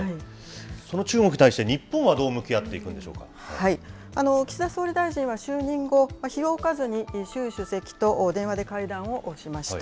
その中国に対して、日本はどう向岸田総理大臣は就任後、日を置かずに習主席と電話で会談をしました。